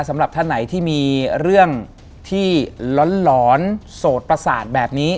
สำหรับท่านไหนที่มีเรื่องที่ร้อนโสดประสาทแบบนี้